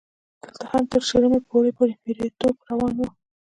دلته هم تر شلمې پېړۍ پورې مریتوب روان و.